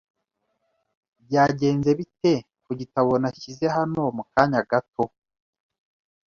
Byagenze bite ku gitabo nashyize hano mu kanya gato?